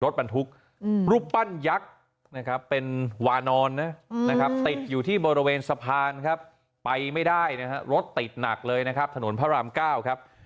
รถบรรทุกรูปปั้นยักษ์นะครับเป็นวานอนนะครับติดอยู่ที่บริเวณสะพานครับไปไม่ได้นะฮะรถติดหนักเลยนะครับถนนพระรามเก้าครับ